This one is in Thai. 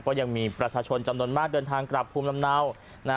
ก็ยังมีประชาชนจำนวนมากเดินทางกลับภูมิลำเนา